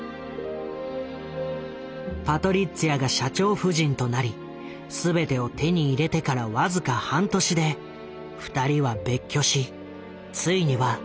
パトリッツィアが社長夫人となり全てを手に入れてから僅か半年で２人は別居しついには離婚した。